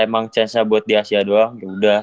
emang chance nya buat di asia doang ya udah